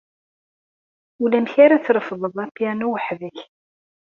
Ulamek ara d-trefdeḍ apyanu weḥd-k.